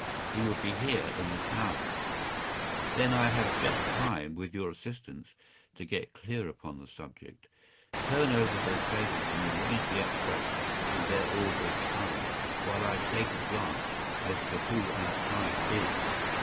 He will be here in an hour.” “Then I have just time, with your assistance, to get clear upon the subject. Turn over those papers, and arrange the extracts in their order of time, while I take a glance as to who our client is.